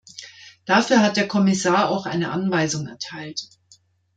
Dafür hat der Kommissar auch eine Anweisung erteilt.